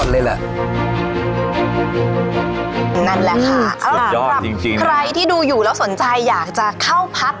นั่นแหละค่ะสุดยอดจริงจริงเอ่อใครที่ดูอยู่แล้วสนใจอยากจะเข้าพัก